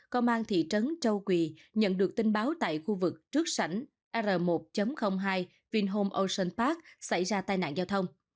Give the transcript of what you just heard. công an thị trấn châu quỳ nhận được tin báo tại khu vực trước sảnh r một hai vinhome ocean park xảy ra tai nạn giao thông